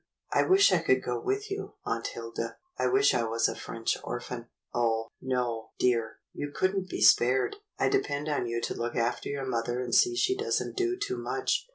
"I wish I could go with you. Aunt Hilda. I wish I was a French orphan." "Oh! no, dear, you could n't be spared. I depend on you to look after your mother and see she does n't do too much.